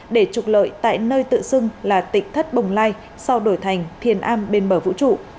để trục lợi tại nơi tự xưng là tỉnh thất bồng lai sau đổi thành thiền a bên bờ vũ trụ